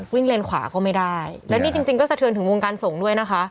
เลนขวาก็ไม่ได้และนี่จริงจริงก็สะเทือนถึงวงการสงฆ์ด้วยนะคะ